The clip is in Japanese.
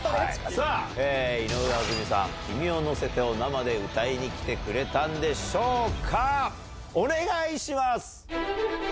さあ、井上あずみさん、君をのせてを生で歌いに来てくれたんでしょうか。